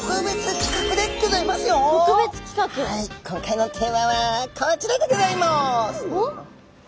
今回のテーマはこちらでギョざいます！